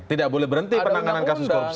tidak boleh berhenti penanganan kasus korupsi